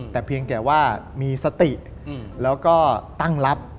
แต่เพียงแต่ว่ามีสติแล้วก็ตั้งรับ